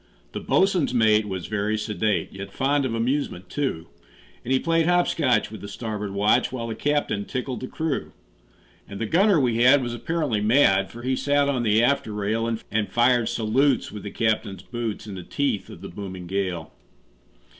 The boatswain's mate was very sedate, Yet fond of amusement, too; And he played hop scotch with the starboard watch, While the captain tickled the crew. And the gunner we had was apparently mad, For he sat on the after rail, And fired salutes with the captain's boots, In the teeth of the booming gale.